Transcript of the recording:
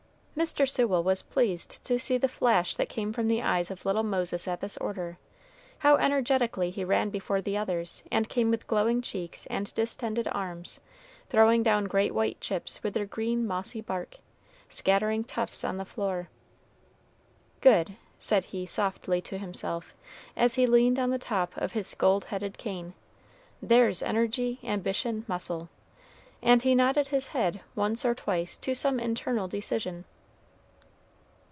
Mr. Sewell was pleased to see the flash that came from the eyes of little Moses at this order, how energetically he ran before the others, and came with glowing cheeks and distended arms, throwing down great white chips with their green mossy bark, scattering tufts on the floor. "Good," said he softly to himself, as he leaned on the top of his gold headed cane; "there's energy, ambition, muscle;" and he nodded his head once or twice to some internal decision.